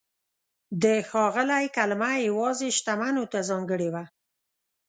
د "ښاغلی" کلمه یوازې شتمنو ته ځانګړې وه.